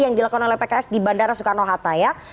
yang dilakukan oleh pks di bandara soekarno hatta ya